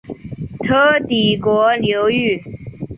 车底国流域。